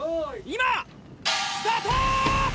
今スタート！